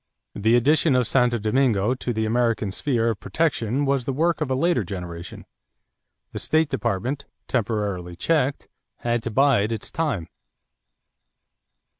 The addition of Santo Domingo to the American sphere of protection was the work of a later generation. The State Department, temporarily checked, had to bide its time.